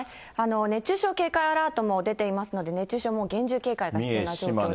熱中症警戒アラートも出てますので、熱中症も厳重警戒が必要な状況です。